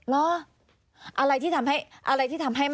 บอกไม่ได้ครับ